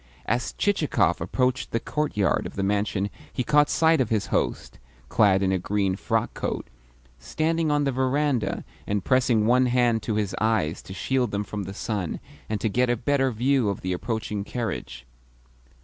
As Chichikov approached the courtyard of the mansion he caught sight of his host (clad in a green frock coat) standing on the verandah and pressing one hand to his eyes to shield them from the sun and so get a better view of the approaching carriage.